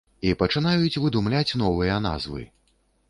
І пачынаюць выдумляць новыя назвы.